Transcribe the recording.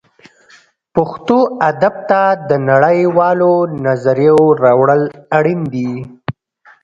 پښتو ادب ته د نړۍ والو نظریو راوړل اړین دي